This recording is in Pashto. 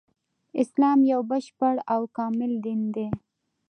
اسلام يو بشپړ او کامل دين دی